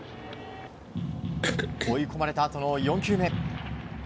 追い込まれたあとの４球目。